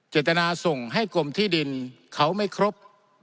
เจตนาส่งให้กรมที่ดินเขาไม่ครบ